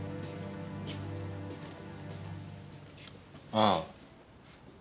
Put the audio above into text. ああ。